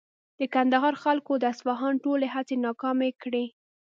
د کندهار خلکو د اصفهان ټولې هڅې ناکامې کړې.